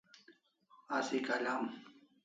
Asi kalam